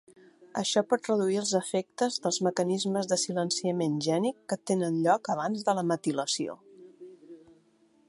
Això pot reduir els efectes dels mecanismes de silenciament gènic que tenen lloc abans de la metilació.